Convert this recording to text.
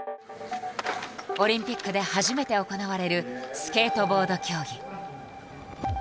オリンピックで初めて行われるスケートボード競技。